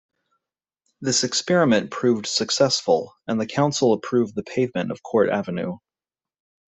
This experiment proved successful, and the council approved the pavement of Court Avenue.